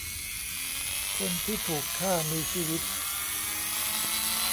คนที่ถูกฆ่ามีชีวิต